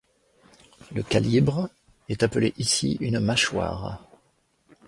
Le calibre est appelé ici une mâchoire.